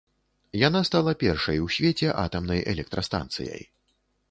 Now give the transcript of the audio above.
Яна стала першай у свеце атамнай электрастанцыяй.